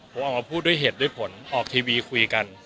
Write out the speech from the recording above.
ผมออกมาพูดด้วยเหตุด้วยผลออกทีวีคุยกัน